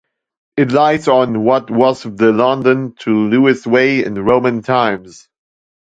It lies on what was the London to Lewes Way in Roman times.